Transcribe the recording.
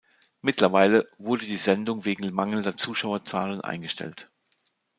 Mittlerweile wurde die Sendung wegen mangelnder Zuschauerzahlen eingestellt.